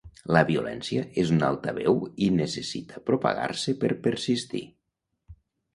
La violència és un altaveu i necessita propagar-se per persistir.